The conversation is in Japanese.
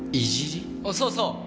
そうそう。